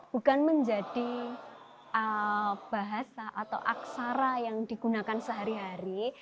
bukan menjadi bahasa atau aksara yang digunakan sehari hari